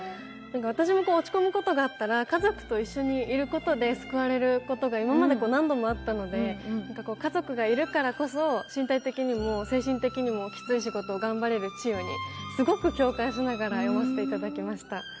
私も落ち込むことがあったら、家族と一緒にいることで救われることが今まで何度もあったので家族がいるからこそ、身体的にも精神的にもきつい仕事を頑張れるので。